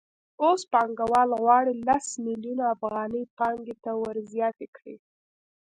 اوس پانګوال غواړي لس میلیونه افغانۍ پانګې ته ورزیاتې کړي